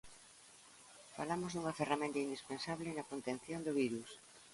Falamos dunha ferramenta indispensable na contención do virus.